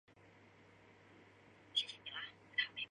肯达里分布。